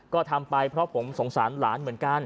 ก็ทำไปเพราะผมสงสารหลานเหมือนกัน